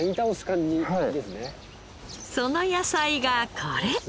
その野菜がこれ！